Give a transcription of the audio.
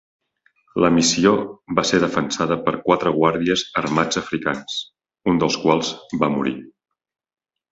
La missió va ser defensada per quatre guàrdies armats africans, un dels quals va morir.